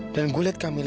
dan gue liat kamilah